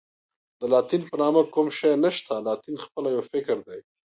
د لاتین په نامه کوم شی نشته، لاتین خپله یو فکر دی.